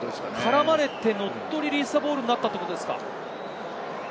絡まれてノットリリースザボールになったということですか。